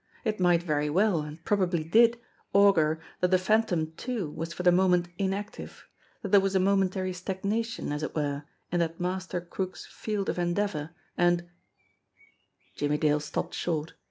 It might very well, and probably did, augur that the Phantom too was for the moment inactive, that there was a momentary stagnation, as it were, in that master crook's field of endeavour, and Jimmie Dale stopped short.